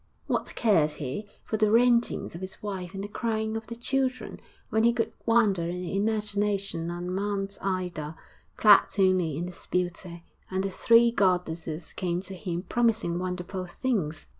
What cared he for the rantings of his wife and the crying of the children when he could wander in imagination on Mount Ida, clad only in his beauty, and the three goddesses came to him promising wonderful things?